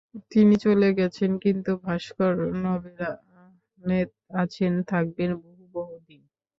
তিনি চলে গেছেন, কিন্তু ভাস্কর নভেরা আহমেদ আছেন, থাকবেন বহু বহুদিন।